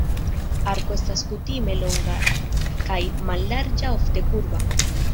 Arko estas kutime longa kaj mallarĝa, ofte kurba.